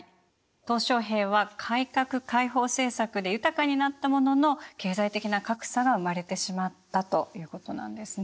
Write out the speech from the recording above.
小平は改革開放政策で豊かになったものの経済的な格差が生まれてしまったということなんですね。